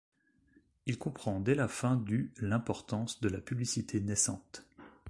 Il comprend dès la fin du l'importance de la publicité naissante.